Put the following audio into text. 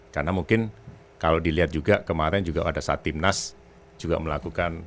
karena mungkin kalau dilihat juga kemarin juga pada saat timnas juga melakukan